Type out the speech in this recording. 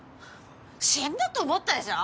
死んだと思ったでしょ！